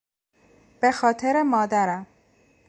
به خاطر مادرم